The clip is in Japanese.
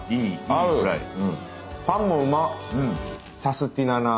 パンもうまっ！